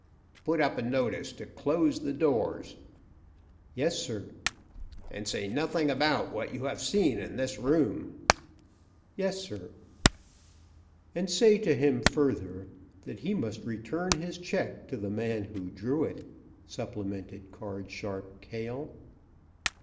Put up a notice to close the doors." "Yes, sir!" "And say nothing about what you have seen in this room." "Yes, sir!" "And say to him, further, that he must return his check to the man who drew it," supplemented Card Sharp Cale.